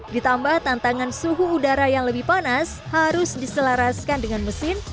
ditambah tantangan suhu udara yang lebih panas harus diselaraskan dengan mesin